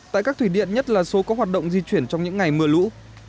tại các thủy điện nhất là số có hoạt động di chuyển trong những ngày mưa lũ